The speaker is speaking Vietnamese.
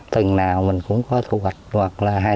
từng nào mình cũng có thu hoạch